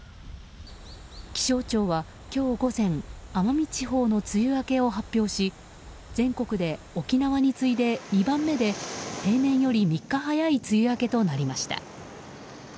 気象庁は今日午前奄美地方の梅雨明けを発表し全国で沖縄に次いで２番目で平年より３日早い梅雨明けとなりました。